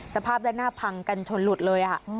สภาพด้านหน้าพังกันชนหลุดเลย